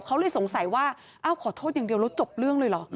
เขาเลยสงสัยว่าอ้าวขอโทษอย่างเดียวแล้วจบเรื่องเลยเหรอ